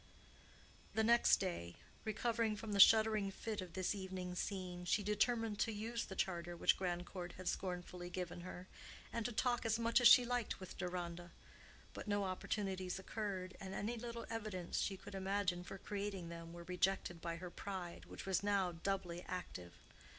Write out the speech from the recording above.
The next day, recovered from the shuddering fit of this evening scene, she determined to use the charter which Grandcourt had scornfully given her, and to talk as much as she liked with Deronda; but no opportunities occurred, and any little devices she could imagine for creating them were rejected by her pride, which was now doubly active.